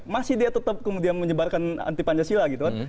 masih dia tetap kemudian menyebarkan anti pancasila gitu kan